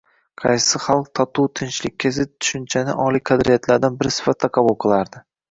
– qaysi xalq totuvlik-tinchlikka zid tushunchani oliy qadriyatlardan biri sifatida qabul qilardi?